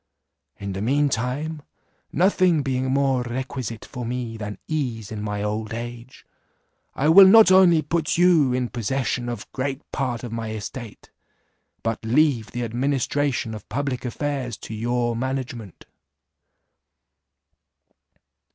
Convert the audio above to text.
In the mean time, nothing being more requisite for me than ease in my old age, I will not only put you in possession of great part of my estate, but leave the administration of public affairs to your management."